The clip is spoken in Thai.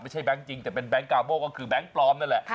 แบงค์จริงแต่เป็นแก๊งกาโม่ก็คือแบงค์ปลอมนั่นแหละ